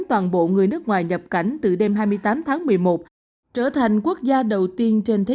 toàn bộ người nước ngoài nhập cảnh từ đêm hai mươi tám tháng một mươi một trở thành quốc gia đầu tiên trên thế